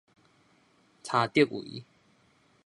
柴竹圍